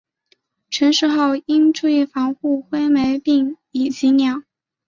成熟后应注意防治灰霉病以及鸟。